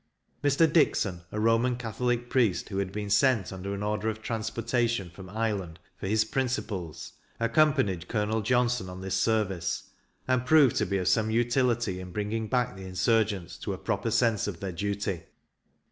Mr. Dixon, a Roman Catholic priest, who had been sent under an order of transportation from Ireland, for his principles, accompanted Colonel Johnston on this service, and proved to be of some utility in bringing back the insurgents to a proper sense of their duty.